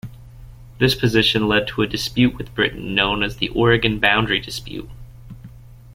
This position led to a dispute with Britain known as the Oregon boundary dispute.